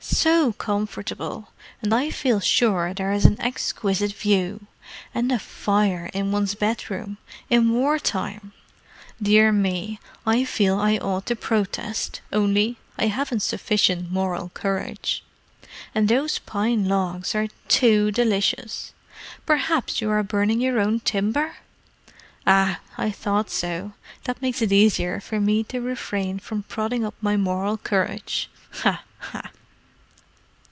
"So comfortable. And I feel sure there is an exquisite view. And a fire in one's bedroom—in war time! Dear me, I feel I ought to protest, only I haven't sufficient moral courage; and those pine logs are too delicious. Perhaps you are burning your own timber?—ah, I thought so. That makes it easier for me to refrain from prodding up my moral courage—ha, ha!"